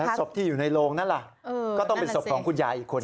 ศพที่อยู่ในโรงนั้นล่ะก็ต้องเป็นศพของคุณยายอีกคน